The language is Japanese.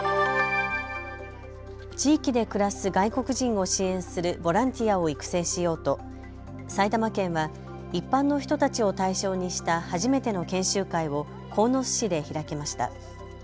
地域で暮らす外国人を支援するボランティアを育成しようと埼玉県は一般の人たちを対象にした初めての研修会を鴻巣市で開きました。